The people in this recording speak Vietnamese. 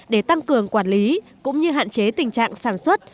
để tăng cường quản lý cũng như hạn chế tình trạng sản xuất